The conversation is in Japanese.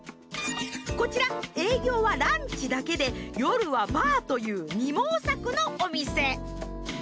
こちら営業はランチだけで夜はバーという二毛作のお店。